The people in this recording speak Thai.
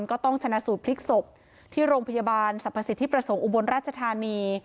ก็ต้องชนะสูตรพลิกศพที่โรงพยาบาลสรรพสิทธิประสงค์อุบลราชธานี